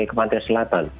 ke pantai selatan